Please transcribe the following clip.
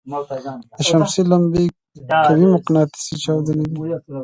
د شمسي لمبې قوي مقناطیسي چاودنې دي.